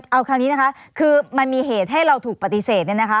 เอาคราวนี้นะคะคือมันมีเหตุให้เราถูกปฏิเสธเนี่ยนะคะ